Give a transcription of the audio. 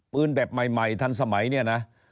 แบบใหม่ทันสมัยเนี่ยนะ